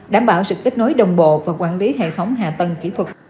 đảm bảo sự kết nối đồng bộ và quản lý hệ thống hạ tầng kỹ thuật